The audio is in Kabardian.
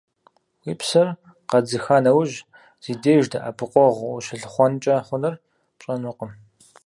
Уи псэр къэдзыха нэужь, зи деж дэӀэпыкъуэгъу ущылъыхъуэнкӀэ хъунур пщӀэнукъым.